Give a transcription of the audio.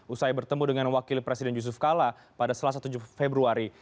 usai bertemu dengan wakil presiden yusuf kala pada selasa tujuh februari